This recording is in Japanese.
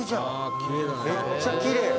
「めっちゃきれい！」